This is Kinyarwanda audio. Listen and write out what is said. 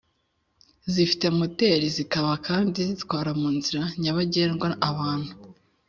zifite moteri zikaba kandi zitwara mu nzira nyabagendwa abantu